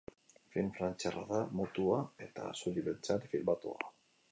Film frantziarra da, mutua, eta zuri-beltzean filmatua.